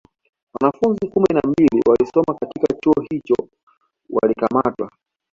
Wanafunzi kumi na mbili walisoma katika Chuo hicho walikamatwa